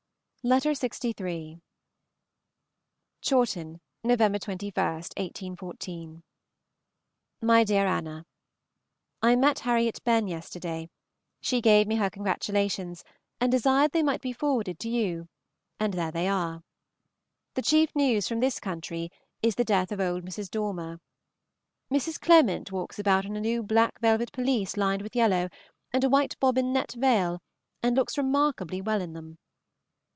Miss KNIGHT, Goodnestone Farm, Wingham, Kent. FOOTNOTE: "Mansfield Park." LXIII. CHAWTON, Nov. 21, 1814. MY DEAR ANNA, I met Harriet Benn yesterday. She gave me her congratulations, and desired they might be forwarded to you, and there they are. The chief news from this country is the death of old Mrs. Dormer. Mrs. Clement walks about in a new black velvet pelisse lined with yellow, and a white bobbin net veil, and looks remarkably well in them.